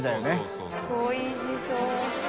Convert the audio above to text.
おいしそう。